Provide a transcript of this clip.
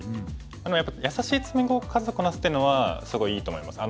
やっぱり「やさしい詰碁を数こなす」っていうのはすごいいいと思います。